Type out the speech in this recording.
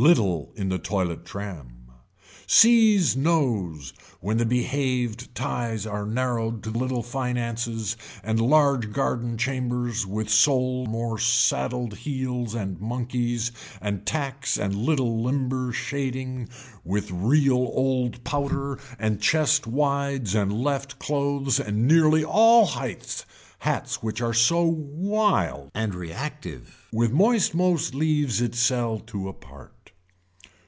Little in the toilet tram. Seize noes when the behaved ties are narrowed to little finances and large garden chambers with soled more saddled heels and monkeys and tacts and little limber shading with real old powder and chest wides and left clothes and nearly all heights hats which are so whiled and reactive with moist most leaves it sell to apart.